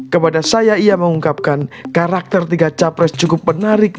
kepada saya ia mengungkapkan karakter tiga capres cukup menarik